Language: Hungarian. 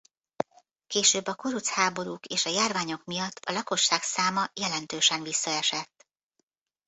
Később a kuruc háborúk és a járványok miatt a lakosság száma jelentősen visszaesett.